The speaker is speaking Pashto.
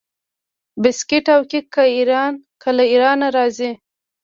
بسکیټ او کیک له ایران راځي.